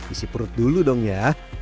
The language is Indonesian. isi perut dulu dong ya